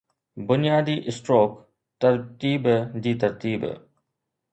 بنيادي-اسٽروڪ ترتيب جي ترتيب